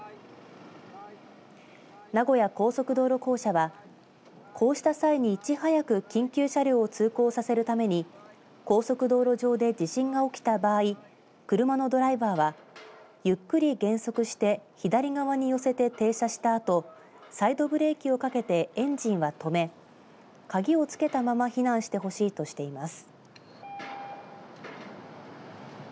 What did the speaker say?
名古屋高速道路公社はこうした際に、いち早く緊急車両を通行させるために高速道路上で地震が起きた場合車のドライバーはゆっくり減速して左側に寄せて停車したあとサイドブレーキをかけてエンジンは止め鍵をつけたまま避難してほしいとしています。